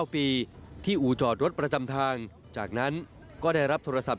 ปีที่อู่จอดรถประจำทางจากนั้นก็ได้รับโทรศัพท์